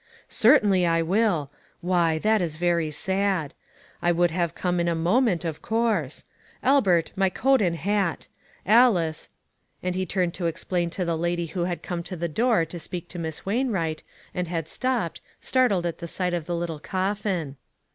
"Certainly, I will. Why, that is very sad. I would have come in a moment, of course. Albert, my coat and hat. Alice," and he turned to explain to the lady who had come 282 ONE COMMONPLACE DAY. to the door to speak to Miss Wainwright, and had stopped, startled at the sight of the little coffin.